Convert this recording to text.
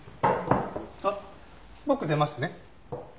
あっ僕出ますね。